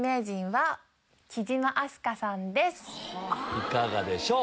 いかがでしょう？